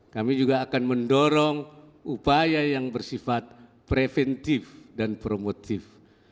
kami juga akan mendorong upaya yang bersifat preventif dan promotif